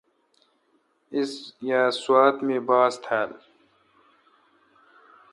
ایس یا سوات می باس تھال۔